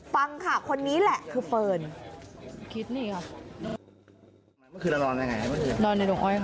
ฟังค่ะคนนี้แหละคือเฟิร์น